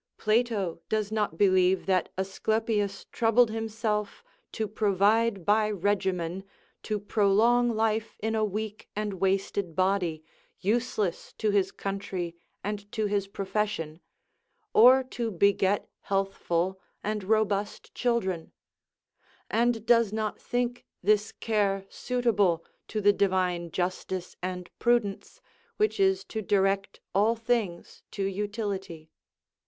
Plato does not believe that AEsculapius troubled himself to provide by regimen to prolong life in a weak and wasted body, useless to his country and to his profession, or to beget healthful and robust children; and does not think this care suitable to the Divine justice and prudence, which is to direct all things to utility.